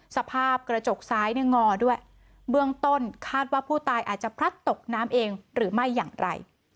สภาพกระจกซ้ายเนี่ยงอด้วยเบื้องต้นคาดว่าผู้ตายอาจจะพลัดตกน้ำเองหรือไม่อย่างไร